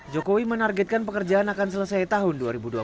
jokowi menargetkan pekerjaan akan selesai tahun dua ribu dua puluh